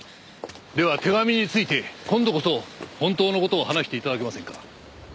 では手紙について今度こそ本当の事を話して頂けませんか？